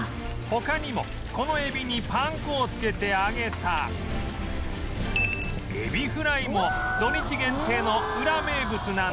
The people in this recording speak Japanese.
他にもこのエビにパン粉をつけて揚げたエビフライも土日限定のウラ名物なんだとか